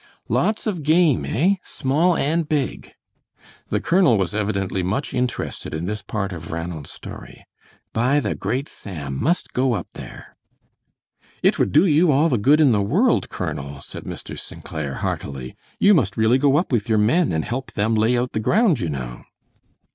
"Lots of game, eh? Small and big?" The colonel was evidently much interested in this part of Ranald's story. "By the great Sam, must go up there!" "It would do you all the good in the world, Colonel," said Mr. St. Clair, heartily. "You must really go up with your men and help them lay out the ground, you know."